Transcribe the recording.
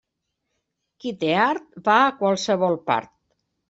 Qui té art va a qualsevol part.